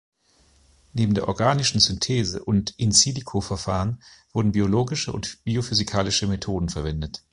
Neben der Organischen Synthese und "in silico"-Verfahren wurden biologische und biophysikalische Methoden verwendet.